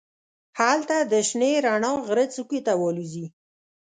هلته د شنې رڼا غره څوکې ته والوزي.